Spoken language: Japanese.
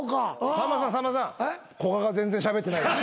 さんまさんさんまさん古賀が全然しゃべってないです。